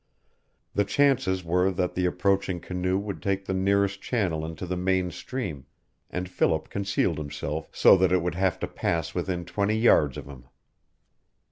The chances were that the approaching canoe would take the nearest channel into the main stream, and Philip concealed himself so that it would have to pass within twenty yards of him.